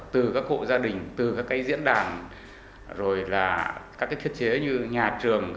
từ các hộ gia đình từ các cái diễn đàn rồi là các cái thiết chế như nhà trường